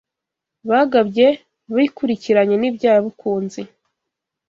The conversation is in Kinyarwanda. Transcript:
bagabye bikurikiranye n’ibya Bukunzi